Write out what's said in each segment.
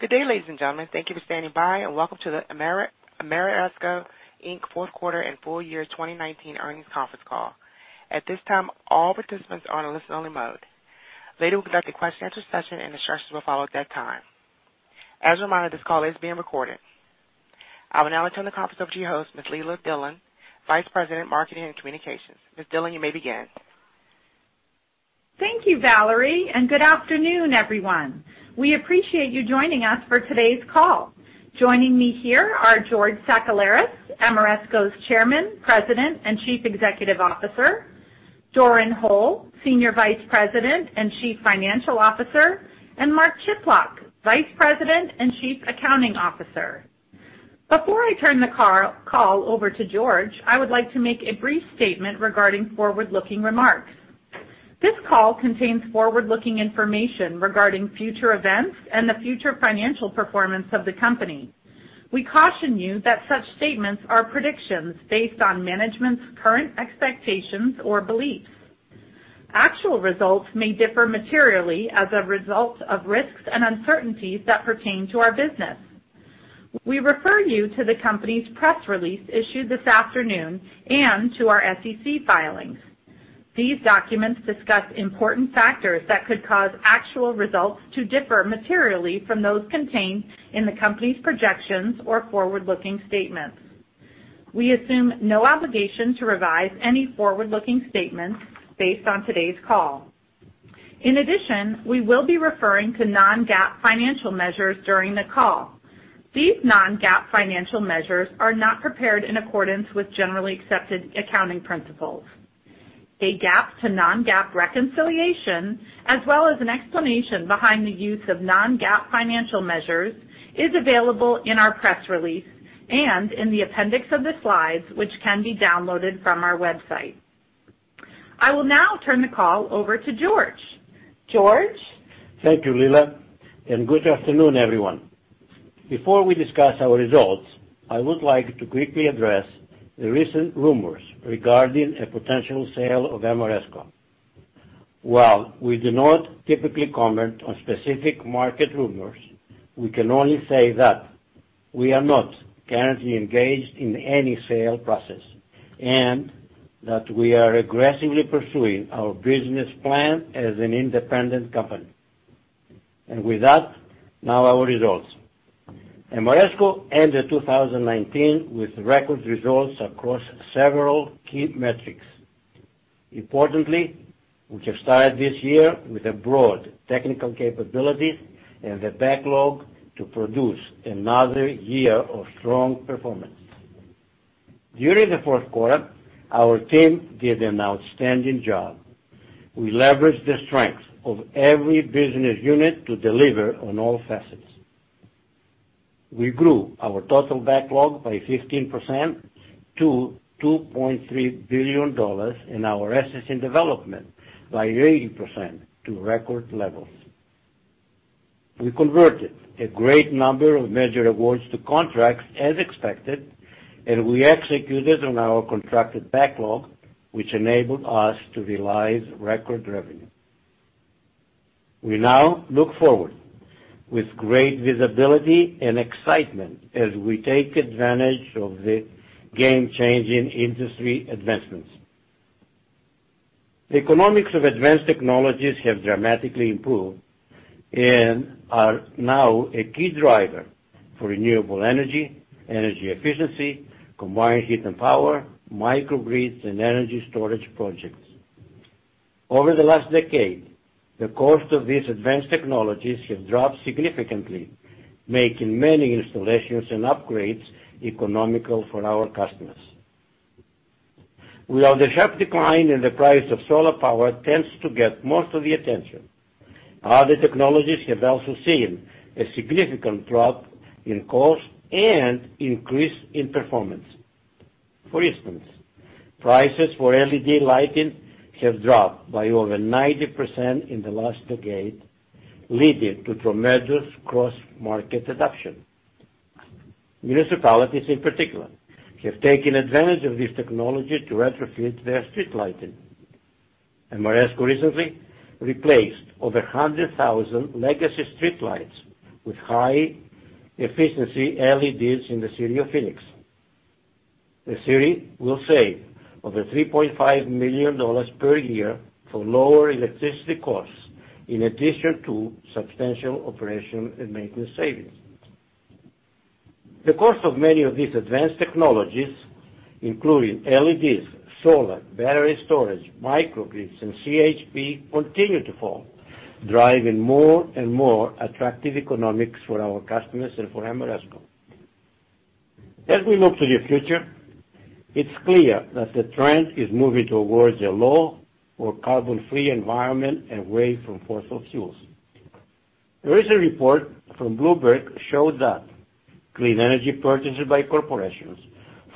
Good day, ladies and gentlemen. Thank you for standing by and welcome to the Ameresco Inc. fourth quarter and full year 2019 earnings conference call. At this time, all participants are on a listen only mode. Later, we'll conduct a question-and-answer session, and instructions will follow at that time. As a reminder, this call is being recorded. I will now turn the conference over to your host, Ms. Leila Dillon, Vice President, Marketing and Communications. Ms. Dillon, you may begin. Thank you, Valerie, and good afternoon, everyone. We appreciate you joining us for today's call. Joining me here are George Sakellaris, Ameresco's Chairman, President, and Chief Executive Officer; Doran Hole, Senior Vice President and Chief Financial Officer; and Mark Chiplock, Vice President and Chief Accounting Officer. Before I turn the call over to George, I would like to make a brief statement regarding forward-looking remarks. This call contains forward-looking information regarding future events and the future financial performance of the company. We caution you that such statements are predictions based on management's current expectations or beliefs. Actual results may differ materially as a result of risks and uncertainties that pertain to our business. We refer you to the company's press release issued this afternoon and to our SEC filings. These documents discuss important factors that could cause actual results to differ materially from those contained in the company's projections or forward-looking statements. We assume no obligation to revise any forward-looking statements based on today's call. In addition, we will be referring to Non-GAAP financial measures during the call. These Non-GAAP financial measures are not prepared in accordance with generally accepted accounting principles. A GAAP to Non-GAAP reconciliation, as well as an explanation behind the use of Non-GAAP financial measures, is available in our press release and in the appendix of the slides, which can be downloaded from our website. I will now turn the call over to George. George? Thank you, Leila, and good afternoon, everyone. Before we discuss our results, I would like to quickly address the recent rumors regarding a potential sale of Ameresco. While we do not typically comment on specific market rumors, we can only say that we are not currently engaged in any sale process and that we are aggressively pursuing our business plan as an independent company. With that, now our results. Ameresco ended 2019 with record results across several key metrics. Importantly, we have started this year with a broad technical capabilities and the backlog to produce another year of strong performance. During the fourth quarter, our team did an outstanding job. We leveraged the strengths of every business unit to deliver on all facets. We grew our total backlog by 15% to $2.3 billion and our assets in development by 80% to record levels. We converted a great number of major awards to contracts as expected, and we executed on our contracted backlog, which enabled us to realize record revenue. We now look forward with great visibility and excitement as we take advantage of the game-changing industry advancements. The economics of advanced technologies have dramatically improved and are now a key driver for renewable energy, energy efficiency, combined heat and power, microgrids, and energy storage projects. Over the last decade, the cost of these advanced technologies have dropped significantly, making many installations and upgrades economical for our customers. While the sharp decline in the price of solar power tends to get most of the attention, other technologies have also seen a significant drop in cost and increase in performance. For instance, prices for LED lighting have dropped by over 90% in the last decade, leading to tremendous cross-market adoption. Municipalities, in particular, have taken advantage of this technology to retrofit their street lighting. Ameresco recently replaced over 100,000 legacy streetlights with high-efficiency LEDs in the city of Phoenix. The city will save over $3.5 million per year for lower electricity costs, in addition to substantial operation and maintenance savings. The cost of many of these advanced technologies, including LEDs, solar, battery storage, microgrids, and CHP, continue to fall, driving more and more attractive economics for our customers and for Ameresco. As we look to the future, it's clear that the trend is moving towards a low or carbon-free environment and away from fossil fuels. The recent report from Bloomberg showed that clean energy purchases by corporations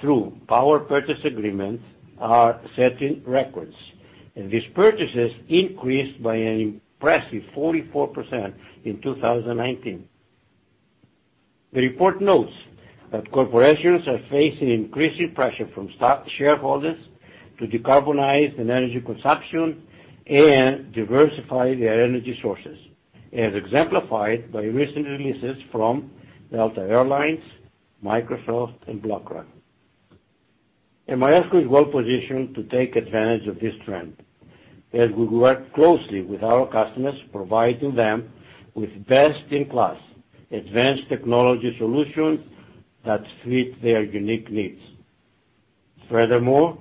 through power purchase agreements are setting records, and these purchases increased by an impressive 44% in 2019. The report notes that corporations are facing increasing pressure from stock shareholders to decarbonize their energy consumption and diversify their energy sources, as exemplified by recent releases from Delta Air Lines, Microsoft, and BlackRock. Ameresco is well-positioned to take advantage of this trend, as we work closely with our customers, providing them with best-in-class, advanced technology solutions that fit their unique needs. Furthermore,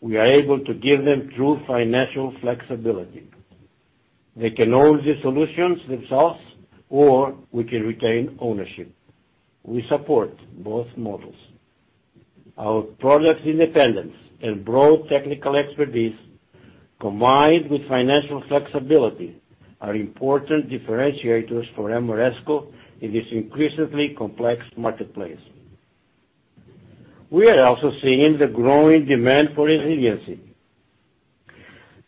we are able to give them true financial flexibility. They can own the solutions themselves, or we can retain ownership. We support both models. Our product independence and broad technical expertise, combined with financial flexibility, are important differentiators for Ameresco in this increasingly complex marketplace. We are also seeing the growing demand for resiliency.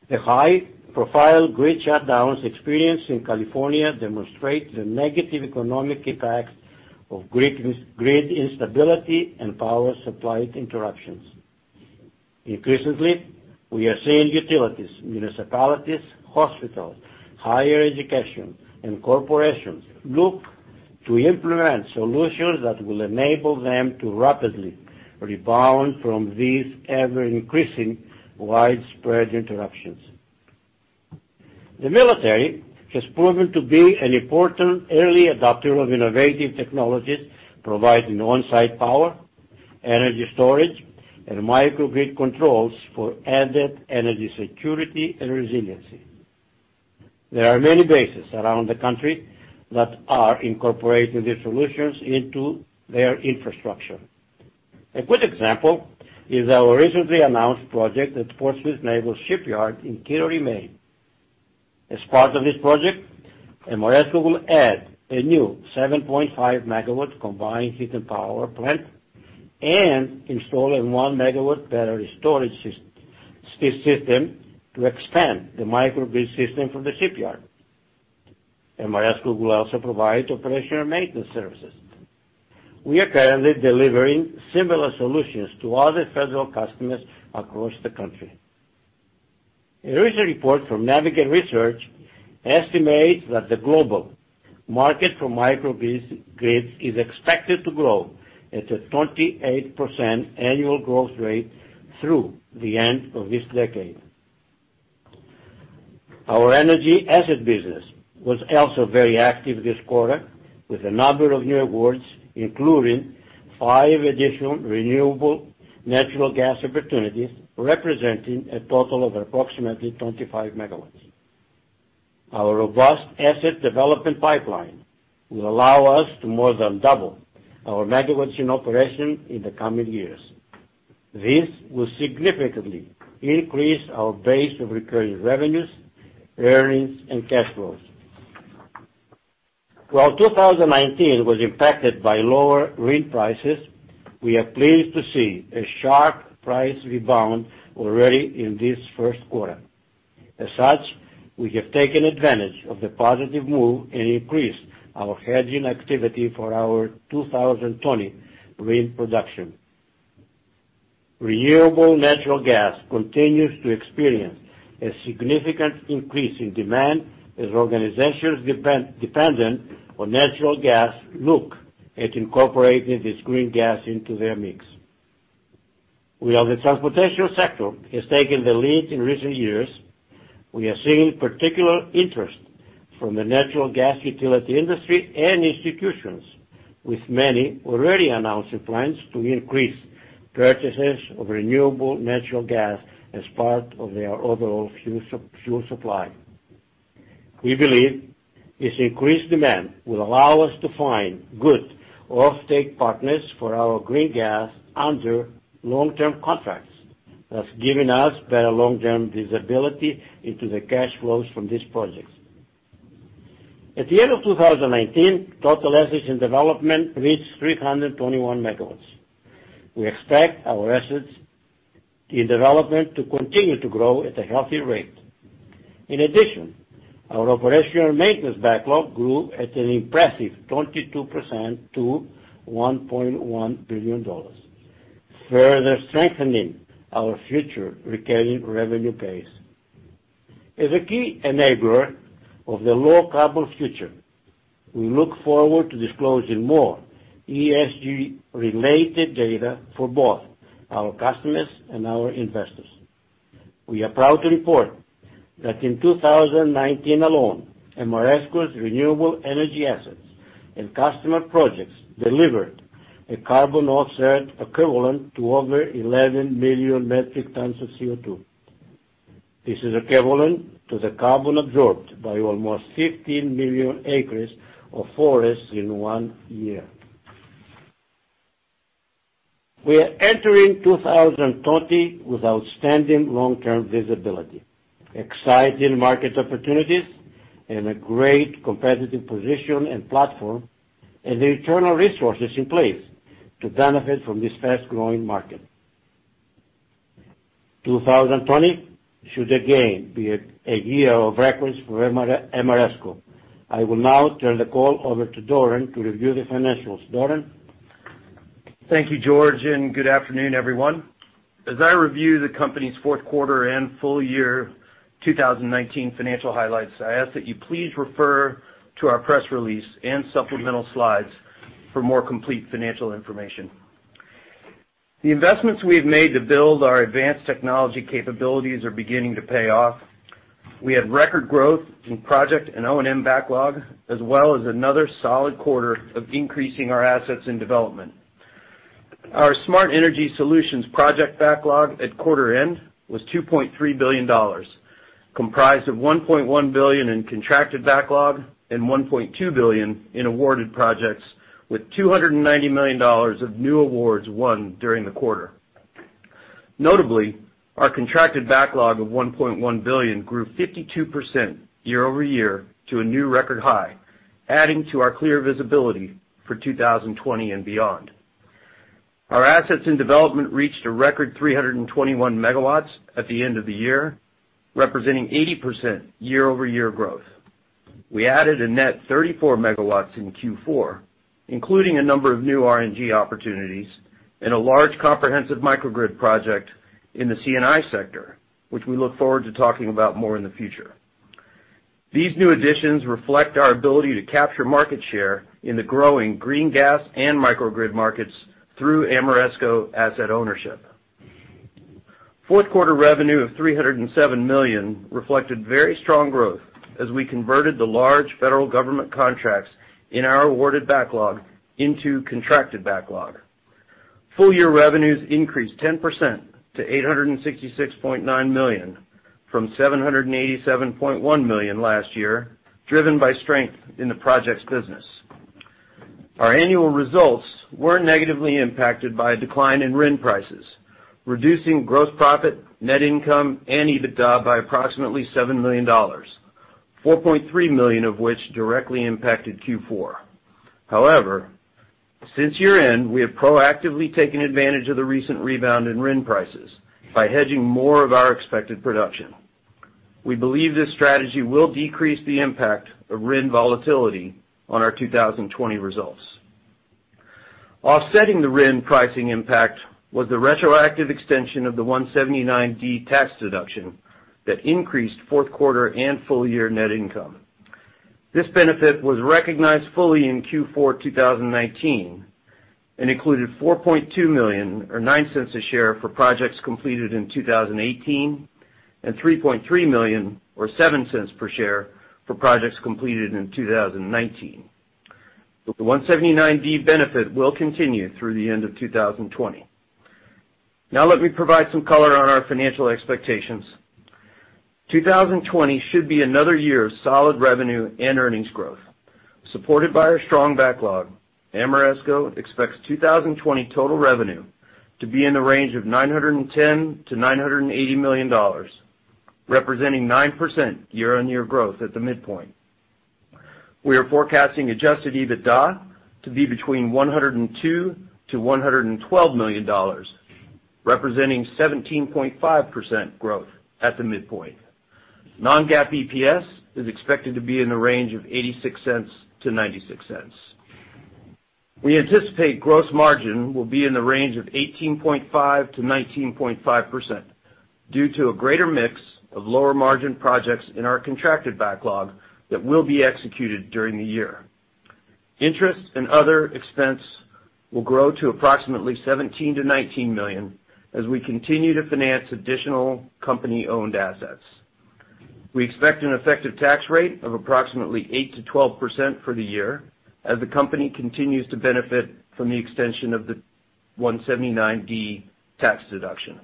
The high-profile grid shutdowns experienced in California demonstrate the negative economic impacts of grid instability and power supply interruptions. Increasingly, we are seeing utilities, municipalities, hospitals, higher education, and corporations look to implement solutions that will enable them to rapidly rebound from these ever-increasing, widespread interruptions. The military has proven to be an important early adopter of innovative technologies, providing on-site power, energy storage, and microgrid controls for added energy security and resiliency. There are many bases around the country that are incorporating these solutions into their infrastructure. A good example is our recently announced project at Portsmouth Naval Shipyard in Kittery, Maine. As part of this project, Ameresco will add a new 7.5-MW combined heat and power plant, and install a 1-MW battery storage system to expand the microgrid system for the shipyard. Ameresco will also provide operations and maintenance services. We are currently delivering similar solutions to other federal customers across the country. A recent report from Navigant Research estimates that the global market for microgrids is expected to grow at a 28% annual growth rate through the end of this decade. Our energy asset business was also very active this quarter, with a number of new awards, including 5 additional renewable natural gas opportunities, representing a total of approximately 25 megawatts. Our robust asset development pipeline will allow us to more than double our megawatts in operation in the coming years. This will significantly increase our base of recurring revenues, earnings, and cash flows. While 2019 was impacted by lower RIN prices, we are pleased to see a sharp price rebound already in this first quarter. As such, we have taken advantage of the positive move and increased our hedging activity for our 2020 RIN production. Renewable natural gas continues to experience a significant increase in demand, as organizations dependent on natural gas look at incorporating this green gas into their mix. While the transportation sector has taken the lead in recent years, we are seeing particular interest from the natural gas utility industry and institutions, with many already announcing plans to increase purchases of renewable natural gas as part of their overall fuel supply. We believe this increased demand will allow us to find good off-take partners for our green gas under long-term contracts, thus giving us better long-term visibility into the cash flows from these projects. At the end of 2019, total assets in development reached 321 MW. We expect our assets in development to continue to grow at a healthy rate. In addition, our operations and maintenance backlog grew at an impressive 22% to $1.1 billion, further strengthening our future recurring revenue base. As a key enabler of the low-carbon future, we look forward to disclosing more ESG-related data for both our customers and our investors. We are proud to report that in 2019 alone, Ameresco's renewable energy assets and customer projects delivered a carbon offset equivalent to over 11 million metric tons of CO2. This is equivalent to the carbon absorbed by almost 15 million acres of forest in one year. We are entering 2020 with outstanding long-term visibility, exciting market opportunities, and a great competitive position and platform, and the internal resources in place to benefit from this fast-growing market.... 2020 should again be a year of records for Ameresco. I will now turn the call over to Doran to review the financials. Doran? Thank you, George, and good afternoon, everyone. As I review the company's fourth quarter and full year 2019 financial highlights, I ask that you please refer to our press release and supplemental slides for more complete financial information. The investments we've made to build our advanced technology capabilities are beginning to pay off. We had record growth in project and O&M backlog, as well as another solid quarter of increasing our assets in development. Our Smart Energy Solutions project backlog at quarter end was $2.3 billion, comprised of $1.1 billion in contracted backlog and $1.2 billion in awarded projects, with $290 million of new awards won during the quarter. Notably, our contracted backlog of $1.1 billion grew 52% year-over-year to a new record high, adding to our clear visibility for 2020 and beyond. Our assets in development reached a record 321 MW at the end of the year, representing 80% year-over-year growth. We added a net 34 MW in fourth quarter, including a number of new RNG opportunities and a large comprehensive microgrid project in the C&I sector, which we look forward to talking about more in the future. These new additions reflect our ability to capture market share in the growing green gas and microgrid markets through Ameresco asset ownership. Fourth quarter revenue of $307 million reflected very strong growth as we converted the large federal government contracts in our awarded backlog into contracted backlog. Full year revenues increased 10% to $866.9 million, from $787.1 million last year, driven by strength in the projects business. Our annual results were negatively impacted by a decline in RIN prices, reducing gross profit, net income, and EBITDA by approximately $7 million, $4.3 million of which directly impacted fourth quarter. However, since year-end, we have proactively taken advantage of the recent rebound in RIN prices by hedging more of our expected production. We believe this strategy will decrease the impact of RIN volatility on our 2020 results. Offsetting the RIN pricing impact was the retroactive extension of the 179D tax deduction that increased fourth quarter and full year net income. This benefit was recognized fully in fourth quarter 2019, and included $4.2 million, or $0.09 per share, for projects completed in 2018, and $3.3 million, or $0.07 per share, for projects completed in 2019. The 179D benefit will continue through the end of 2020. Now let me provide some color on our financial expectations. 2020 should be another year of solid revenue and earnings growth. Supported by our strong backlog, Ameresco expects 2020 total revenue to be in the range of $910 million-$980 million, representing 9% year-on-year growth at the midpoint. We are forecasting Adjusted EBITDA to be between $102 million-$112 million, representing 17.5% growth at the midpoint. Non-GAAP EPS is expected to be in the range of $0.86-$0.96. We anticipate gross margin will be in the range of 18.5%-19.5% due to a greater mix of lower margin projects in our contracted backlog that will be executed during the year. Interest and other expense will grow to approximately $17 million-$19 million as we continue to finance additional company-owned assets. We expect an effective tax rate of approximately 8%-12% for the year as the company continues to benefit from the extension of the 179D tax deduction.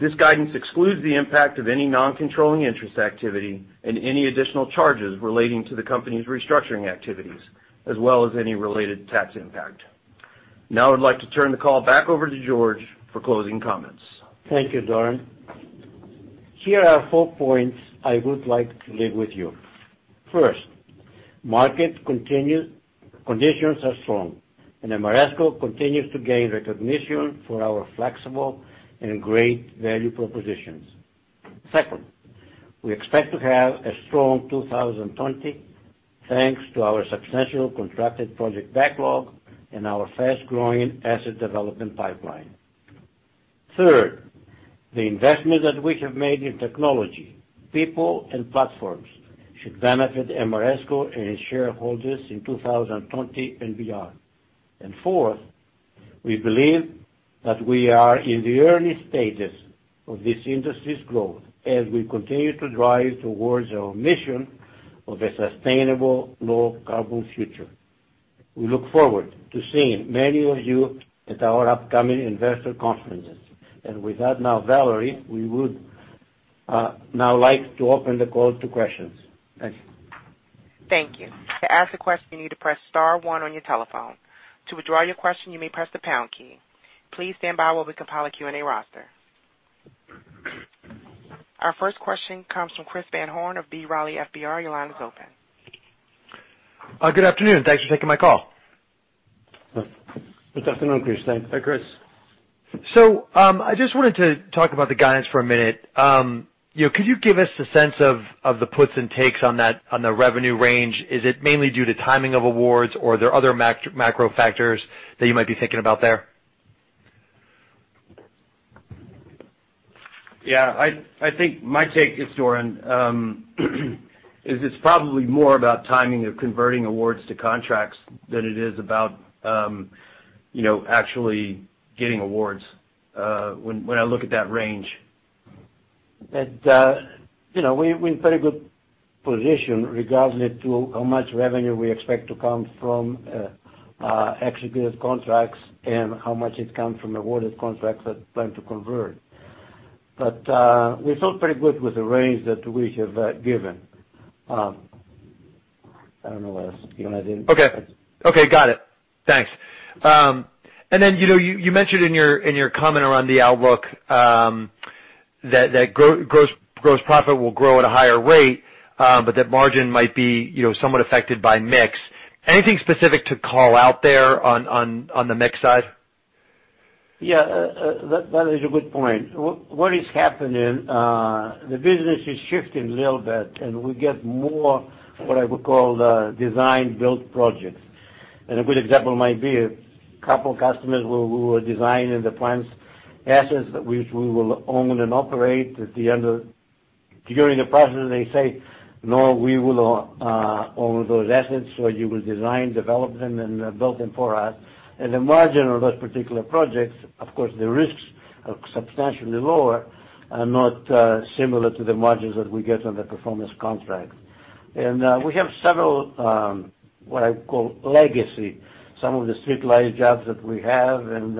This guidance excludes the impact of any non-controlling interest activity and any additional charges relating to the company's restructuring activities, as well as any related tax impact. Now I'd like to turn the call back over to George for closing comments. Thank you, Doran. Here are four points I would like to leave with you. First, market conditions are strong, and Ameresco continues to gain recognition for our flexible and great value propositions. Second, we expect to have a strong 2020, thanks to our substantial contracted project backlog and our fast-growing asset development pipeline. Third, the investment that we have made in technology, people, and platforms should benefit Ameresco and its shareholders in 2020 and beyond. And fourth, we believe that we are in the early stages of this industry's growth as we continue to drive towards our mission of a sustainable, low-carbon future. We look forward to seeing many of you at our upcoming investor conferences. And with that, now, Valerie, we would now like to open the call to questions. Thank you. Thank you. To ask a question, you need to press star one on your telephone. To withdraw your question, you may press the pound key. Please stand by while we compile a Q&A roster. Our first question comes from Chris Van Horn of B. Riley FBR. Your line is open.... good afternoon. Thanks for taking my call. Good afternoon, Chris. Thanks. Hi, Chris. So, I just wanted to talk about the guidance for a minute. You know, could you give us a sense of, of the puts and takes on that, on the revenue range? Is it mainly due to timing of awards, or are there other macro factors that you might be thinking about there? Yeah, I think my take is, Doran, is it's probably more about timing of converting awards to contracts than it is about, you know, actually getting awards, when I look at that range. And, you know, we're in very good position regarding it to how much revenue we expect to come from, executed contracts and how much it come from awarded contracts that plan to convert. But, we feel pretty good with the range that we have, given. I don't know, unless you want to add anything. Okay. Okay. Got it. Thanks. And then, you know, you mentioned in your comment around the outlook, that gross profit will grow at a higher rate, but that margin might be, you know, somewhat affected by mix. Anything specific to call out there on the mix side? Yeah, that is a good point. What is happening, the business is shifting a little bit, and we get more, what I would call, design-build projects. And a good example might be a couple customers where we were designing the plant's assets, which we will own and operate at the end of, during the process, they say, "No, we will own those assets, so you will design, develop them, and build them for us." And the margin on those particular projects, of course, the risks are substantially lower and not similar to the margins that we get on the performance contract. We have several what I call legacy some of the street light jobs that we have and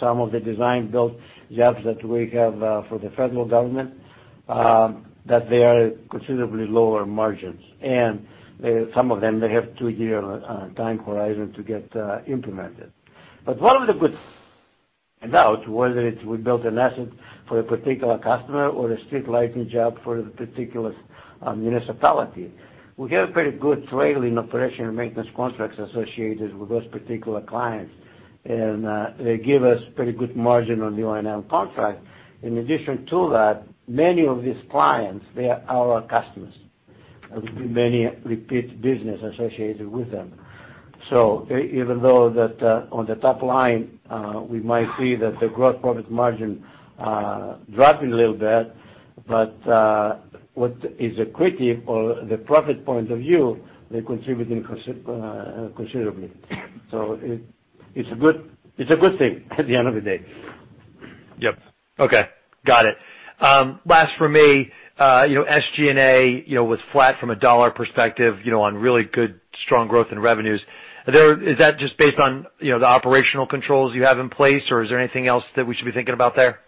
some of the design-build jobs that we have for the federal government that they are considerably lower margins, and some of them they have two-year time horizon to get implemented. But one of the goods, and now whether it's we built an asset for a particular customer or a street lighting job for a particular municipality we have pretty good trail in operation and maintenance contracts associated with those particular clients. They give us pretty good margin on the O&M contract. In addition to that, many of these clients they are our customers. Many repeat business associated with them. So even though that, on the top line, we might see that the gross profit margin dropping a little bit, but what is accretive or the profit point of view, they're contributing considerably. So it's a good, it's a good thing at the end of the day. Yep. Okay. Got it. Last for me, you know, SG&A, you know, was flat from a dollar perspective, you know, on really good, strong growth in revenues. Is that just based on, you know, the operational controls you have in place, or is there anything else that we should be thinking about there?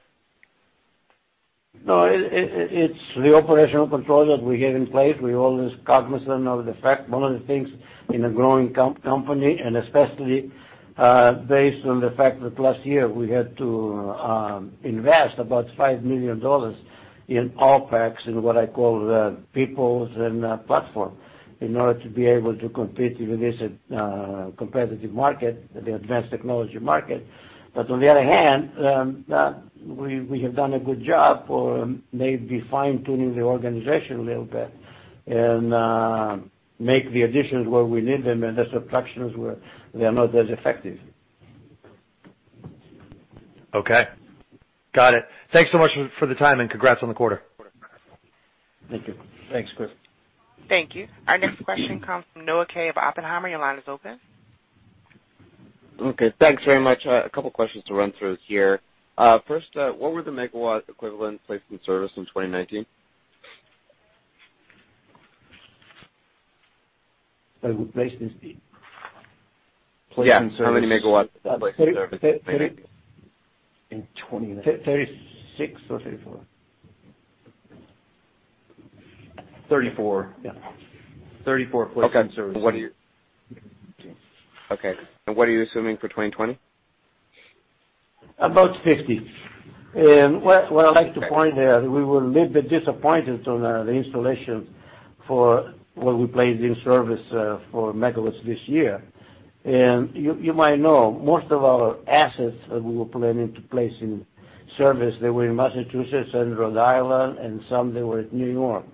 No, it's the operational control that we have in place. We're always cognizant of the fact, one of the things in a growing company, and especially based on the fact that last year we had to invest about $5 million in OpEx, in what I call the peoples and platform, in order to be able to compete with this competitive market, the advanced technology market. But on the other hand, we have done a good job for maybe fine-tuning the organization a little bit and make the additions where we need them and the subtractions where they are not as effective. Okay. Got it. Thanks so much for, for the time, and congrats on the quarter. Thank you. Thanks, Chris. Thank you. Our next question comes from Noah Kaye of Oppenheimer. Your line is open. Okay. Thanks very much. A couple questions to run through here. First, what were the megawatt equivalent placed in service in 2019? Placed in service? Yeah, how many megawatts placed in service- 30, 36 or 34? Thirty-four. Yeah. 34 placed in service. Okay, and what are you assuming for 2020? About 50. What, what I'd like to point out, we were a little bit disappointed on the installation for what we placed in service for megawatts this year. You, you might know, most of our assets that we were planning to place in service, they were in Massachusetts and Rhode Island, and some they were in New York.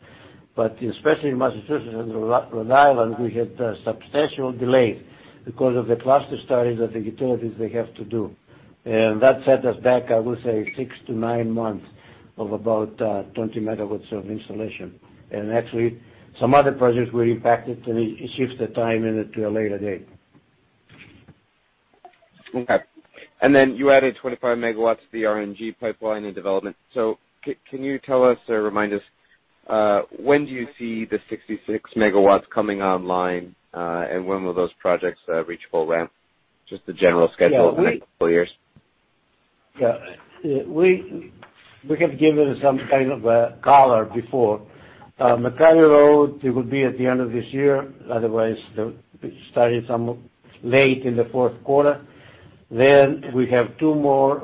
But especially in Massachusetts and Rhode Island, we had a substantial delay because of the cluster studies that the utilities they have to do. That set us back, I would say, 6 months-9 months of about 20 megawatts of installation. Actually, some other projects were impacted, and it shifts the timing to a later date. Okay. Then you added 25 megawatts to the RNG pipeline in development. So can you tell us or remind us when do you see the 66 megawatts coming online, and when will those projects reach full ramp? Just the general schedule for the next couple years. Yeah. We have given some kind of color before. McCarty Road, it will be at the end of this year. Otherwise, starting some late in the fourth quarter. Then we have two more,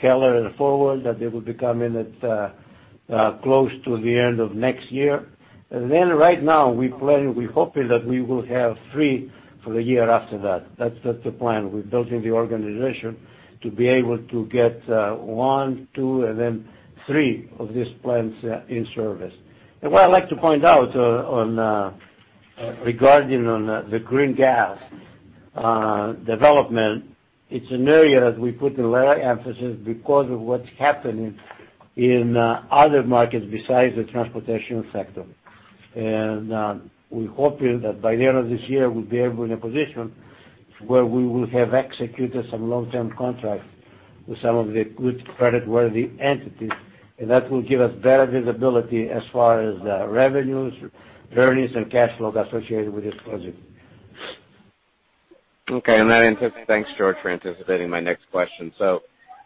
Keller and Forward, that they will be coming at close to the end of next year. And then right now, we plan, we're hoping that we will have three for the year after that. That's the plan. We're building the organization to be able to get one, two, and then three of these plants in service. And what I'd like to point out, regarding the green gas development, it's an area that we put a lot of emphasis because of what's happening in other markets besides the transportation sector. We're hoping that by the end of this year, we'll be able in a position where we will have executed some long-term contracts with some of the good creditworthy entities, and that will give us better visibility as far as the revenues, earnings, and cash flow associated with this project. Okay, and thanks, George, for anticipating my next question. So,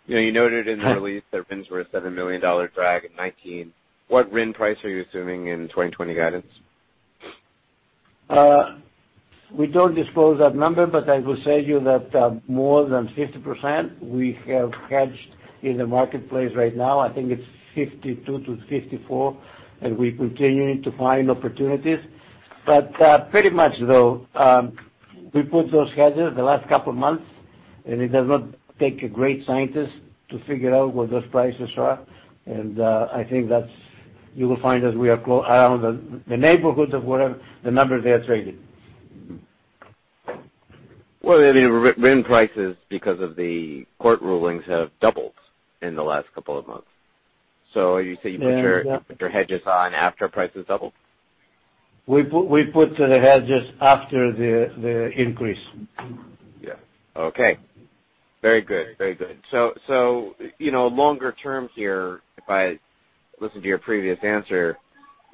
you know, you noted in the release that RINs were a $7 million drag in 2019. What RIN price are you assuming in 2020 guidance? We don't disclose that number, but I will say to you that more than 50% we have hedged in the marketplace right now. I think it's 52-54, and we're continuing to find opportunities. Pretty much, though, we put those hedges the last couple of months, and it does not take a great scientist to figure out what those prices are. I think that's. You will find as we are closing around the neighborhoods of whatever the numbers are trading. Well, I mean, RIN prices, because of the court rulings, have doubled in the last couple of months. So you say you put your- Yeah. Put your hedges on after prices doubled? We put the hedges after the increase. Yeah. Okay. Very good. Very good. So, you know, longer term here, if I listen to your previous answer,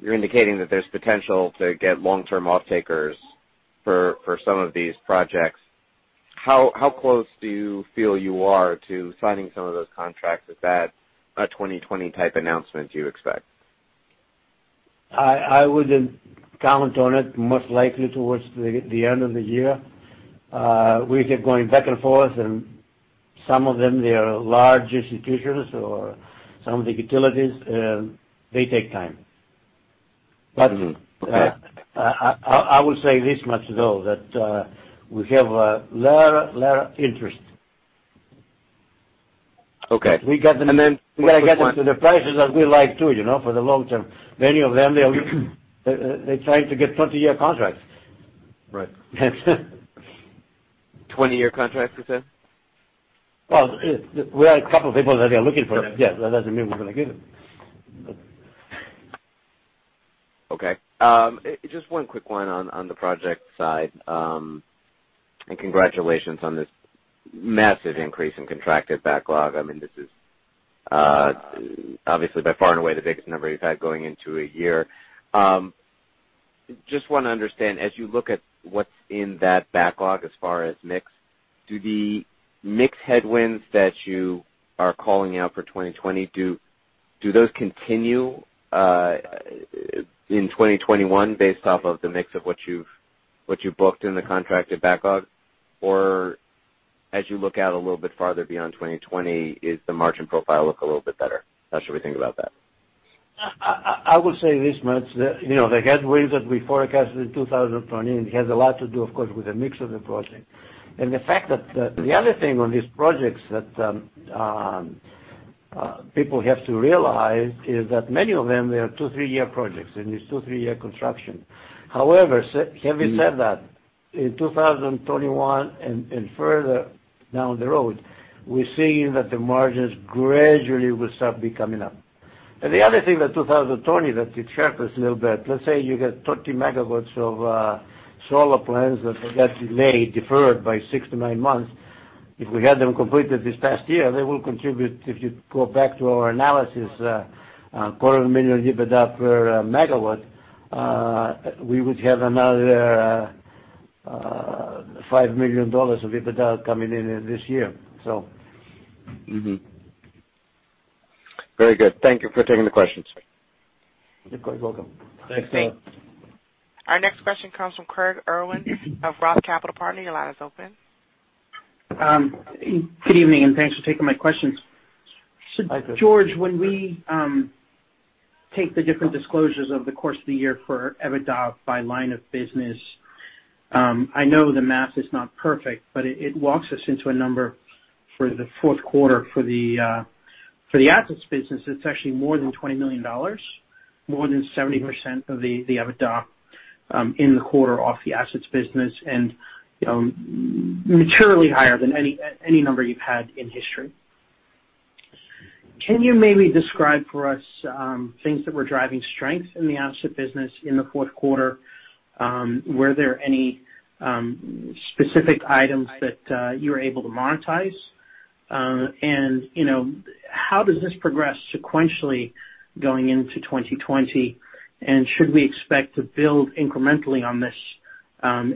you're indicating that there's potential to get long-term off-takers for some of these projects. How close do you feel you are to signing some of those contracts? Is that a 2020 type announcement you expect? I wouldn't comment on it. Most likely towards the end of the year. We keep going back and forth, and some of them, they are large institutions or some of the utilities, they take time. Mm-hmm. Okay. But, I will say this much, though, that we have a lot of interest. Okay. We got the- And then quick one- We gotta get them to the prices that we like, too, you know, for the long term. Many of them, they're trying to get 20-year contracts. Right. 20-year contracts, you said? Well, we have a couple of people that are looking for it. Okay. Yes, that doesn't mean we're gonna give them. Okay. Just one quick one on, on the project side, and congratulations on this massive increase in contracted backlog. I mean, this is, obviously by far and away, the biggest number you've had going into a year. Just want to understand, as you look at what's in that backlog as far as mix, do the mix headwinds that you are calling out for 2020, do, do those continue, in 2021 based off of the mix of what you've, what you've booked in the contracted backlog? Or as you look out a little bit farther beyond 2020, is the margin profile look a little bit better? How should we think about that? I will say this much, that, you know, the headwinds that we forecasted in 2020 has a lot to do, of course, with the mix of the project. And the fact that the other thing on these projects that people have to realize is that many of them, they are 2-3-year projects, and it's 2-3-year construction. However, having said that, in 2021 and further down the road, we're seeing that the margins gradually will start becoming up. And the other thing that 2020, that it sharpness a little bit, let's say you get 30 MW of solar plants that will get delayed, deferred by 6 months-9 months. If we had them completed this past year, they will contribute, if you go back to our analysis, $250,000 EBITDA per megawatt, we would have another $5 million of EBITDA coming in this year. So- Mm-hmm. Very good. Thank you for taking the questions. You're quite welcome. Thanks. Our next question comes from Craig Irwin of Roth Capital Partners. Your line is open. Good evening, and thanks for taking my questions. Hi, Craig. George, when we take the different disclosures over the course of the year for EBITDA by line of business, I know the math is not perfect, but it walks us into a number for the fourth quarter for the assets business. It's actually more than $20 million, more than 70% of the EBITDA in the quarter off the assets business, and you know, materially higher than any number you've had in history. Can you maybe describe for us things that were driving strength in the asset business in the fourth quarter? Were there any specific items that you were able to monetize? And you know, how does this progress sequentially going into 2020? Should we expect to build incrementally on this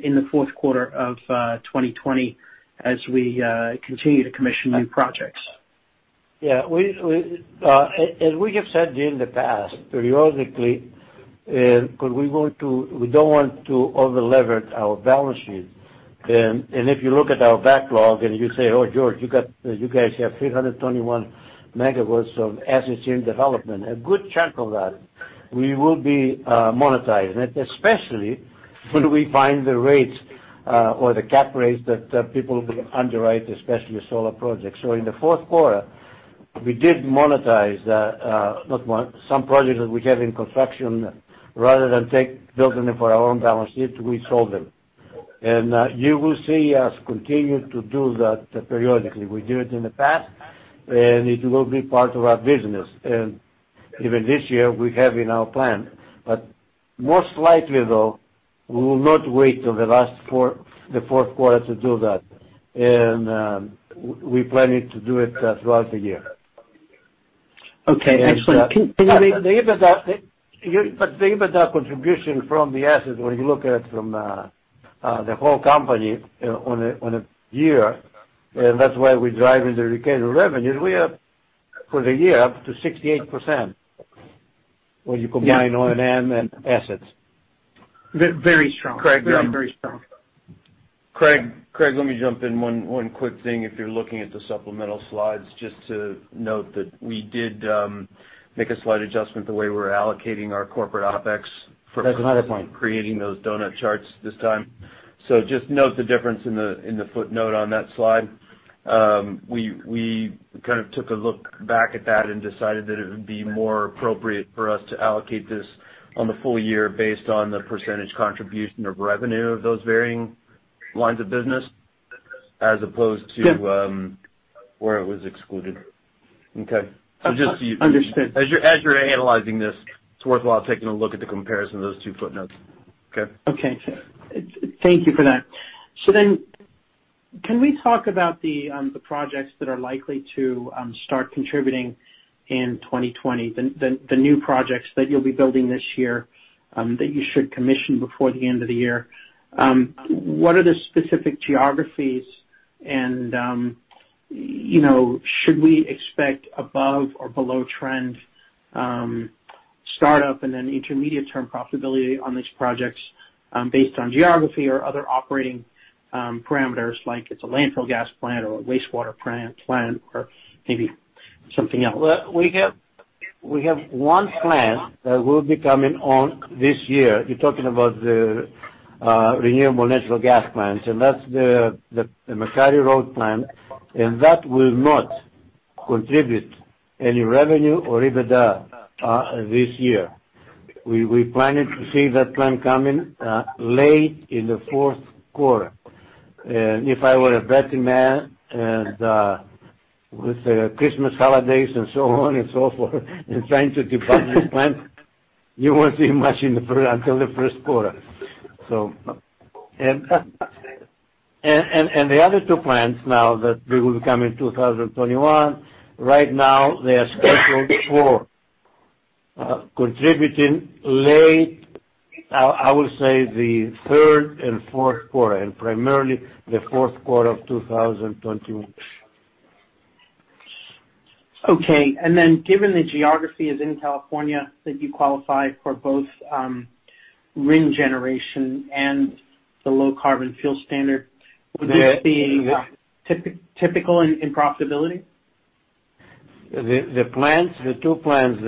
in the fourth quarter of 2020, as we continue to commission new projects?... Yeah, as we have said during the past periodically, because we don't want to over-lever our balance sheet. And if you look at our backlog and you say, "Oh, George, you guys have 321 megawatts of assets in development." A good chunk of that we will be monetizing, especially when we find the rates or the cap rates that people underwrite, especially solar projects. So in the fourth quarter, we did monetize not one, some projects that we have in construction, rather than take building them for our own balance sheet, we sold them. And you will see us continue to do that periodically. We did it in the past, and it will be part of our business. And even this year, we have in our plan. But most likely, though, we will not wait till the last quarter, the fourth quarter to do that. And, we're planning to do it throughout the year. Okay, excellent. Can you- The EBITDA, but the EBITDA contribution from the assets, when you look at it from the whole company on a year, and that's why we're driving the recurring revenues, we are, for the year, up to 68%, when you combine o&M&Assets. Very strong. Craig- Very, very strong. Craig, Craig, let me jump in. One, one quick thing. If you're looking at the supplemental slides, just to note that we did make a slight adjustment the way we're allocating our corporate OpEx for- That's another point. Creating those donut charts this time. So just note the difference in the footnote on that slide. We kind of took a look back at that and decided that it would be more appropriate for us to allocate this on the full year based on the percentage contribution of revenue of those varying lines of business, as opposed to, Yeah... where it was excluded. Okay. So just to- Understood. As you're analyzing this, it's worthwhile taking a look at the comparison of those two footnotes. Okay? Okay. Thank you for that. So then, can we talk about the projects that are likely to start contributing in 2020, the new projects that you'll be building this year, that you should commission before the end of the year? What are the specific geographies and, you know, should we expect above or below trend startup and then intermediate-term profitability on these projects, based on geography or other operating parameters, like it's a landfill gas plant or a wastewater plant or maybe something else? Well, we have one plant that will be coming on this year. You're talking about the renewable natural gas plants, and that's the McCarty Road plant, and that will not contribute any revenue or EBITDA this year. We planning to see that plant coming late in the fourth quarter. And if I were a betting man, with the Christmas holidays and so on and so forth, and trying to debug this plant, you won't see much until the first quarter, so. And the other two plants now that they will be coming in 2021, right now, they are scheduled for contributing late, I would say, the third and fourth quarter, and primarily the fourth quarter of 2021. Okay. And then, given the geography is in California, that you qualify for both, RIN generation and the Low Carbon Fuel Standard- Yeah. Would this be typical in profitability? The plants, the two plants,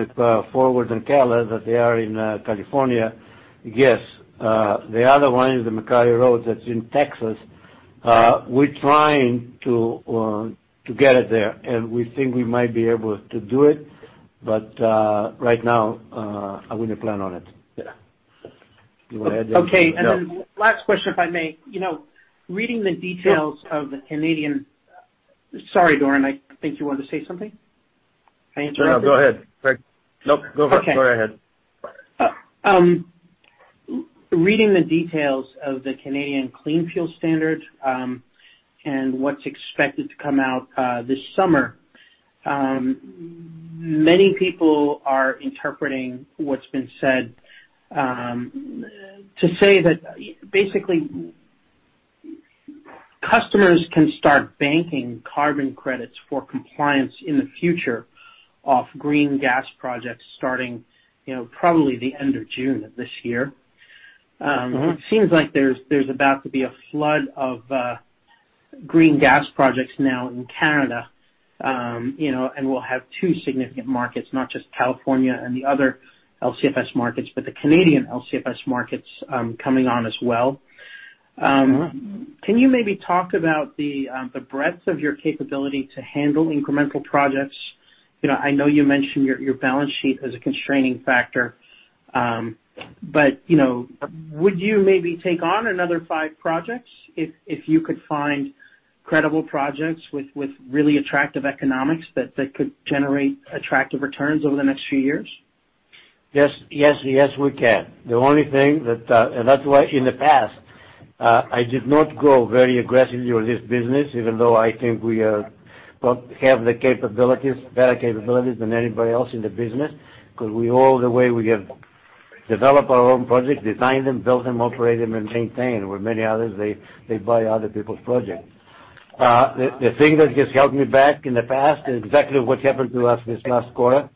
Forward and Keller, that they are in California, yes. The other one is the McCarty Road, that's in Texas. We're trying to get it there, and we think we might be able to do it. But right now, I wouldn't plan on it. Yeah. You go ahead. Okay. Yeah. Last question, if I may. You know, reading the details- Sure of the Canadian... Sorry, Doran, I think you wanted to say something? I interrupted you. No, go ahead. Craig. Nope, go ahead. Okay. Go ahead. Reading the details of the Canadian Clean Fuel Standard, and what's expected to come out, this summer, many people are interpreting what's been said, to say that basically, customers can start banking carbon credits for compliance in the future off green gas projects starting, you know, probably the end of June of this year. Mm-hmm. It seems like there's about to be a flood of green gas projects now in Canada. You know, and we'll have two significant markets, not just California and the other LCFS markets, but the Canadian LCFS markets, coming on as well. Mm-hmm. Can you maybe talk about the breadth of your capability to handle incremental projects? You know, I know you mentioned your balance sheet as a constraining factor, but you know, would you maybe take on another five projects if you could find credible projects with really attractive economics that could generate attractive returns over the next few years? Yes, yes, yes, we can. The only thing that, and that's why in the past, I did not go very aggressively on this business, even though I think we both have the capabilities, better capabilities than anybody else in the business, because we develop our own projects, design them, build them, operate them, and maintain, where many others buy other people's projects. The thing that has held me back in the past is exactly what happened to us this last quarter.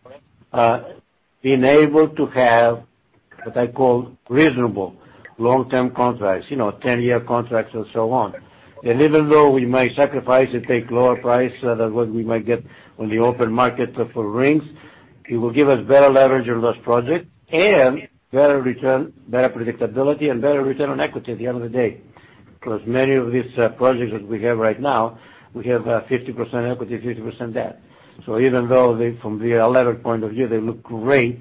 Being able to have what I call reasonable long-term contracts, you know, ten-year contracts and so on. And even though we may sacrifice and take lower price than what we might get on the open market for RINs, it will give us better leverage on those projects and better return, better predictability and better return on equity at the end of the day. Because many of these projects that we have right now, we have 50% equity, 50% debt. So even though they, from the unlevered point of view, they look great,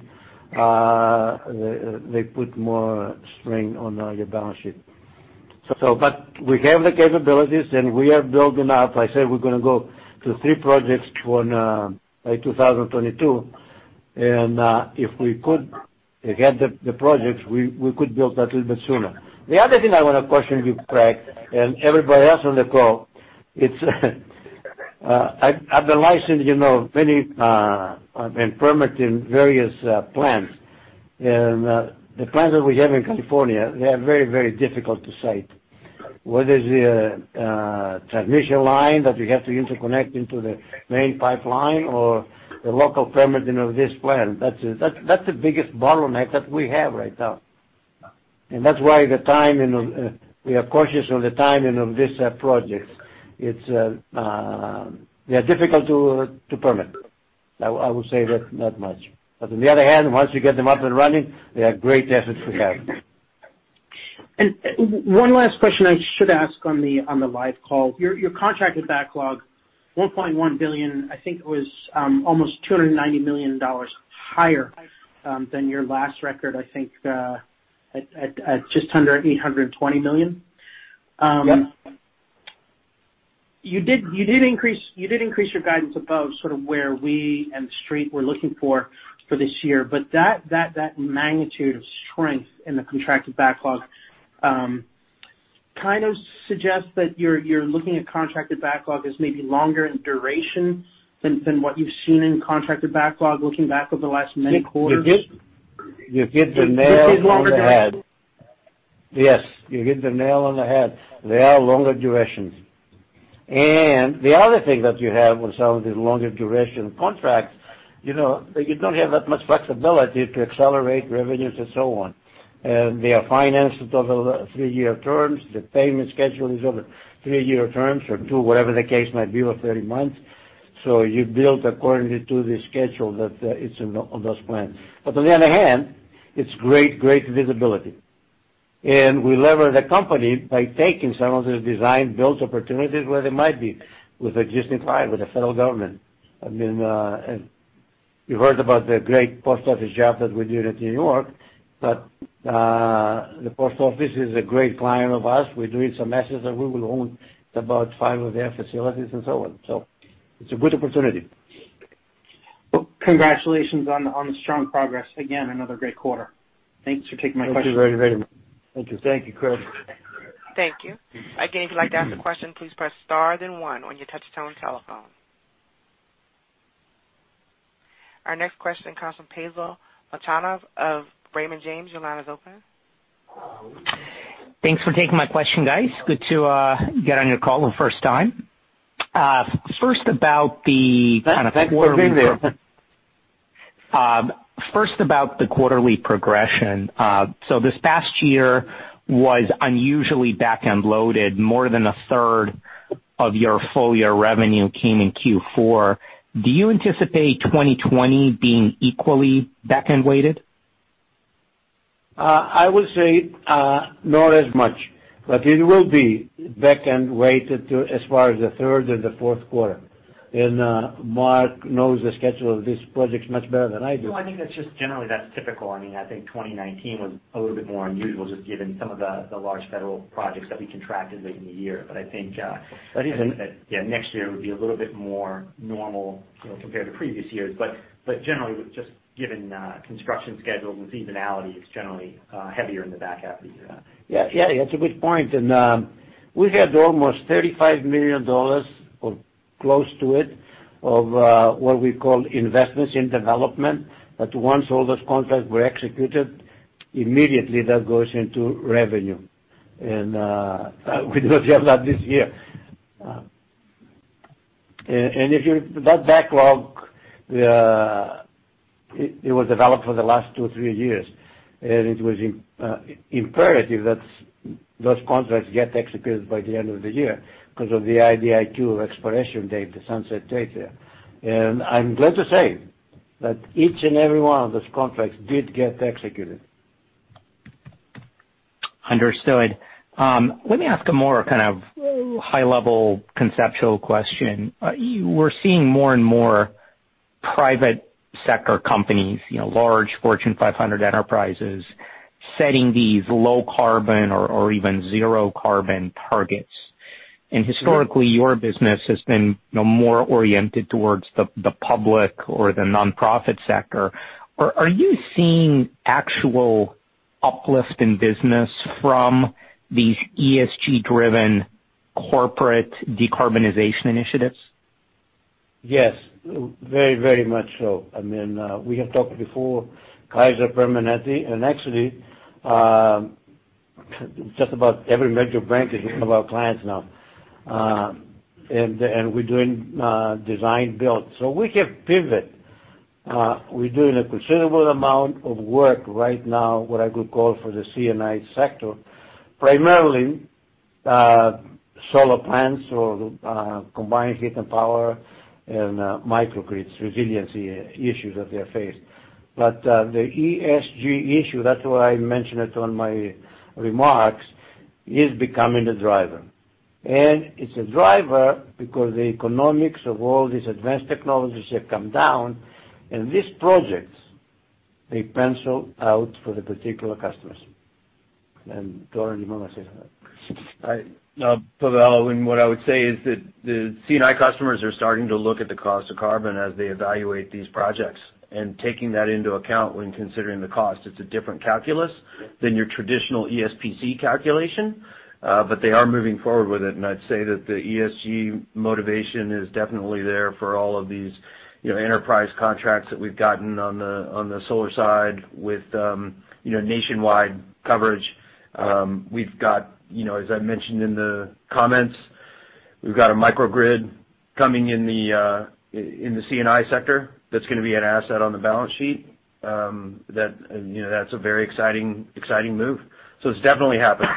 they put more strain on your balance sheet. So, but we have the capabilities, and we are building up. I said we're gonna go to three projects on by 2022. And if we could get the projects, we could build that little bit sooner. The other thing I wanna question you, Craig, and everybody else on the call, it's, I, I've been licensed, you know, many, and permit in various plants. The plants that we have in California, they are very, very difficult to site. Whether it's the transmission line that we have to interconnect into the main pipeline or the local permitting of this plant, that's the biggest bottleneck that we have right now. That's why the timing of, we are cautious on the timing of this project. It's, they are difficult to permit. I will say that, not much. But on the other hand, once you get them up and running, they are great assets to have. And one last question I should ask on the, on the live call. Your, your contracted backlog, $1.1 billion, I think was almost $290 million higher than your last record, I think, at, at, at just under $820 million. Yep. You did increase your guidance above sort of where we and the street were looking for this year. But that magnitude of strength in the contracted backlog kind of suggests that you're looking at contracted backlog as maybe longer in duration than what you've seen in contracted backlog, looking back over the last many quarters. You hit the nail on the head. This is longer duration? Yes, you hit the nail on the head. They are longer durations. And the other thing that you have with some of these longer duration contracts, you know, that you don't have that much flexibility to accelerate revenues and so on. And they are financed over the 3-year terms. The payment schedule is over 3-year terms or 2, whatever the case might be, or 30 months. So you build according to the schedule that it's in on those plans. But on the other hand, it's great, great visibility. And we lever the company by taking some of the design-build opportunities where they might be with existing client, with the federal government. I mean, and you heard about the great Post Office job that we did in New York, but the Post Office is a great client of ours. We're doing some assets that we will own about five of their facilities and so on. So it's a good opportunity. Well, congratulations on the strong progress. Again, another great quarter. Thanks for taking my question. Thank you very, very much. Thank you. Thank you, Chris. Thank you. Again, if you'd like to ask a question, please press star then one on your touchtone telephone. Our next question comes from Pavel Molchanov of Raymond James. Your line is open. Thanks for taking my question, guys. Good to get on your call the first time. First, about the kind of- Thanks for being there. First, about the quarterly progression. So this past year was unusually back-end loaded. More than a third of your full year revenue came in fourth quarter. Do you anticipate 2020 being equally back-end weighted? I would say, not as much, but it will be back-end weighted to as far as the third and the fourth quarter. And, Mark knows the schedule of these projects much better than I do. No, I think that's just generally that's typical. I mean, I think 2019 was a little bit more unusual, just given some of the, the large federal projects that we contracted late in the year. But I think, yeah, next year would be a little bit more normal, you know, compared to previous years. But generally, just given construction schedules and seasonality, it's generally heavier in the back half of the year. Yeah, yeah, that's a good point. And, we had almost $35 million, or close to it, of, what we call investments in development, that once all those contracts were executed, immediately that goes into revenue. And, we do not have that this year. And, that backlog, it was developed for the last two or three years, and it was imperative that those contracts get executed by the end of the year because of the IDIQ expiration date, the sunset date there. And I'm glad to say that each and every one of those contracts did get executed. Understood. Let me ask a more kind of high-level, conceptual question. You-- we're seeing more and more private sector companies, you know, large Fortune 500 enterprises, setting these low carbon or, or even zero carbon targets. And historically, your business has been, you know, more oriented towards the, the public or the nonprofit sector. Are, are you seeing actual uplift in business from these ESG-driven corporate decarbonization initiatives?... Yes, very, very much so. I mean, we have talked before, Kaiser Permanente, and actually, just about every major bank is one of our clients now. And we're doing design-build. So we can pivot. We're doing a considerable amount of work right now, what I would call for the C&I sector, primarily, solar plants or combined heat and power and microgrids, resiliency issues that they face. But the ESG issue, that's why I mentioned it on my remarks, is becoming the driver. And it's a driver because the economics of all these advanced technologies have come down, and these projects, they pencil out for the particular customers. And Don, you want to say something? I, Pavel, and what I would say is that the C&I customers are starting to look at the cost of carbon as they evaluate these projects, and taking that into account when considering the cost. It's a different calculus than your traditional ESPC calculation, but they are moving forward with it. I'd say that the ESG motivation is definitely there for all of these, you know, enterprise contracts that we've gotten on the, on the solar side with, you know, nationwide coverage. We've got, you know, as I mentioned in the comments, we've got a microgrid coming in the, in the C&I sector that's going to be an asset on the balance sheet. That, you know, that's a very exciting, exciting move. So it's definitely happening.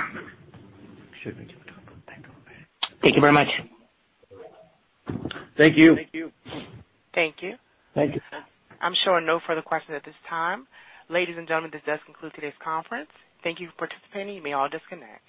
Thank you very much. Thank you. Thank you. Thank you. Thank you. I'm showing no further questions at this time. Ladies and gentlemen, this does conclude today's conference. Thank you for participating. You may all disconnect.